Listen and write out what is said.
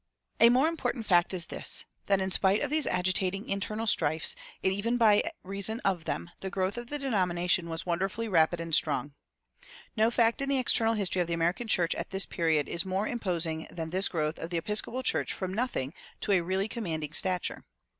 A more important fact is this: that in spite of these agitating internal strifes, and even by reason of them, the growth of the denomination was wonderfully rapid and strong. No fact in the external history of the American church at this period is more imposing than this growth of the Episcopal Church from nothing to a really commanding stature.